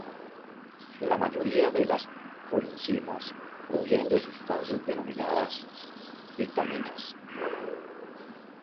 La mayoría de las coenzimas provienen de sustancias denominadas vitaminas.